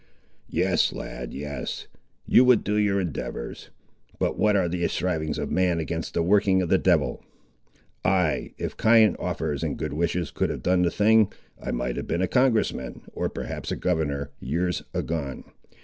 "Yes, lad, yes; you would do your endeavours; but what are the strivings of man against the working of the devil! Ay, if kind offers and good wishes could have done the thing, I might have been a congress man, or perhaps a governor, years agone.